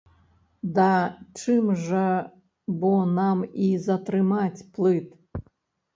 Да чым жа бо нам і затрымаць плыт?